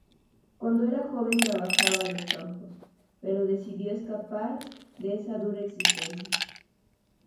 Cuando era joven trabajaba los campos, pero decidió escapar de esa dura existencia.